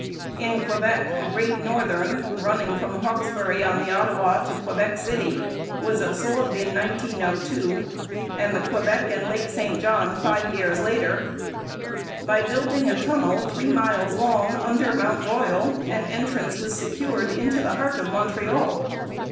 In Quebec the Great Northern, running from Hawkesbury on the Ottawa to Quebec City, was absorbed in 1902, and the Quebec and Lake St John five years later. By building a tunnel three miles long under Mount Royal, an entrance was secured into the heart of Montreal.